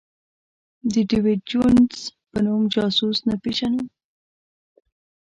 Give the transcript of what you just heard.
د ډېویډ جونز په نوم جاسوس نه پېژنو.